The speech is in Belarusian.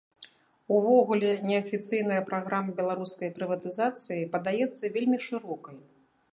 Увогуле, неафіцыйная праграма беларускай прыватызацыі падаецца вельмі шырокай.